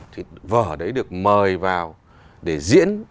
thì vở đấy được mời vào để diễn